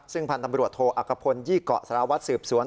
ซึ่งพันธ์ตำรวจโทอักขพลยี่เกาะสารวัตรสืบสวน